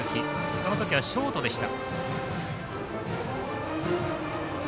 その時はショートでした。